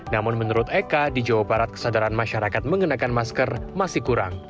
namun menurut eka di jawa barat kesadaran masyarakat mengenakan masker masih kurang